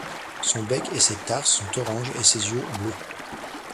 Son bec et ses tarses sont orange et ses yeux, bleus.